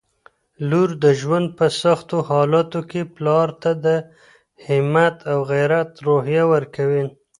لور د ژوند په سختوحالاتو کي پلار ته د همت او غیرت روحیه ورکوي